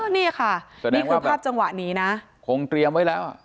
นี่ค่ะนี่คือภาพจังหวะนี้นะคงเตรียมไว้แล้วอ่ะ